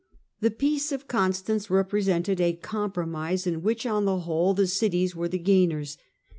The Peace of Constance represented a compromise in which, on the whole, the cities were the gainers.